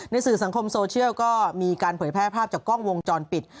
สื่อสังคมโซเชียลก็มีการเผยแพร่ภาพจากกล้องวงจรปิด